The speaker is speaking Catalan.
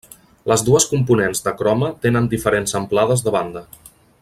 Les dues components de croma tenen diferents amplades de banda.